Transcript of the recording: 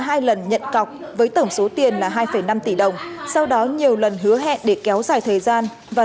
hai lần nhận cọc với tổng số tiền là hai năm tỷ đồng sau đó nhiều lần hứa hẹn để kéo dài thời gian và